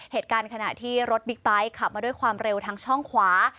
เหตุการณ์ขณะที่รถบิ๊กไบท์ขับมาด้วยความเร็วทางช่องขวา